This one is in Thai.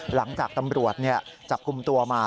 หลังจากตำรวจจับกลุ่มตัวมา